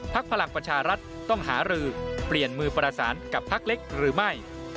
พลังประชารัฐต้องหารือเปลี่ยนมือประสานกับพักเล็กหรือไม่